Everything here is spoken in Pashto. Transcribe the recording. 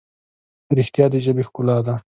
رښتیا د ژبې ښکلا ده.